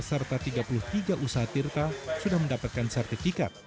serta tiga puluh tiga usaha tirta sudah mendapatkan sertifikat